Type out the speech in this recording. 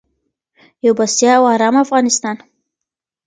یو بسیا او ارام افغانستان.